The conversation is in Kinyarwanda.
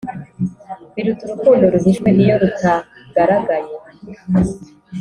biruta urukundo ruhishwe iyo rutagaragaye